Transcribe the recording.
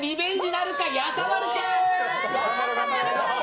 なるかやさまる君。